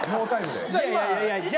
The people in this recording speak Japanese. いやいや。